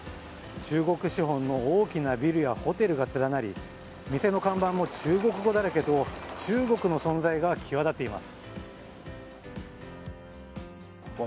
中国資本の大きなビルやホテルが連なり店の看板も中国語だらけと中国の存在が際立っています。